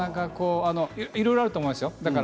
いろいろあると思いますよ。